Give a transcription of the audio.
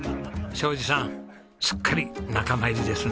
将次さんすっかり仲間入りですね。